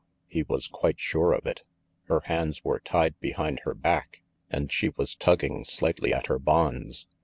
he was quite sure of it. Her hands were tied behind her back, and she was tugging slightly at her bonds.